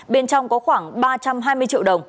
bên trong có khoảng ba trăm hai mươi triệu đồng